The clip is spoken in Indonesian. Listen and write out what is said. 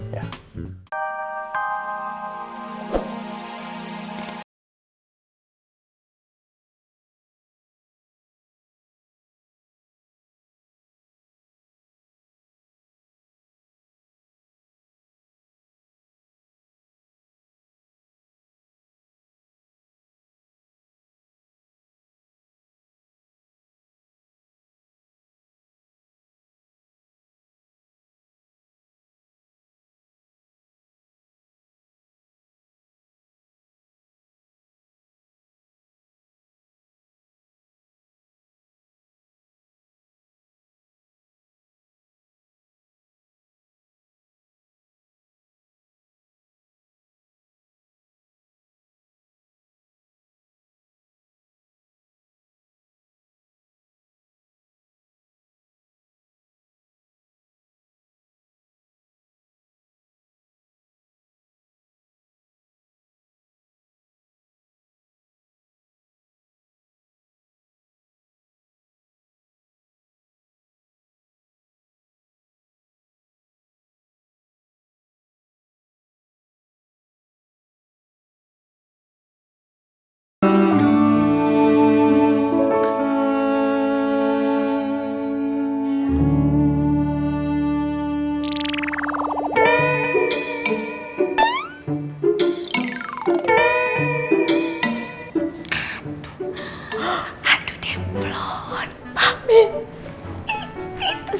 yang pertama messenger